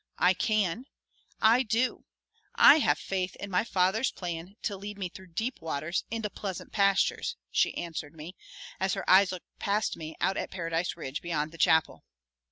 "I can. I do! I have faith in my Father's plan to lead me through 'deep waters' into 'pleasant pastures,'" she answered me, as her eyes looked past me out at Paradise Ridge beyond the chapel.